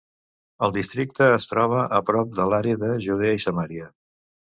El districte es troba a prop de l'Àrea de Judea i Samaria.